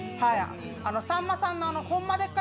さんまさんの「ホンマでっか！？